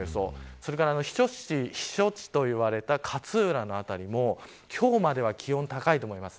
それから避暑地と言われた勝浦の辺りも今日までは気温高いと思います。